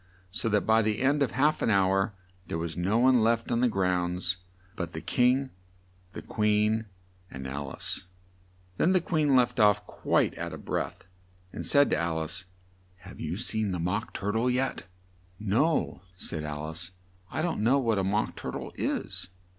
so that by the end of half an hour there was no one left on the grounds but the King, the Queen, and Al ice. Then the Queen left off, quite out of breath, and said to Al ice, "Have you seen the Mock Tur tle yet?" "No," said Al ice, "I don't know what a Mock tur tle is."